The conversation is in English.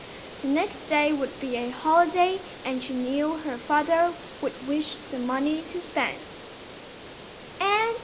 The next day would be a holiday and she knew her father would wish the money to spend.